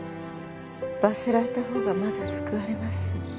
罰せられたほうがまだ救われます。